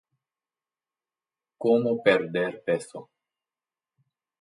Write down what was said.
Cómo perder peso